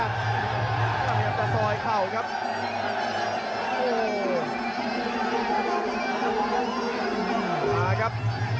กระเมียมกระซอยเข้าครับ